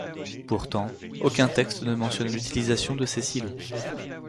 Pourtant, aucun texte ne mentionne l'utilisation de ces silos.